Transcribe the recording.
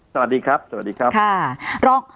สวัสดีครับสวัสดีครับ